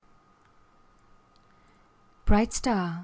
Bright star!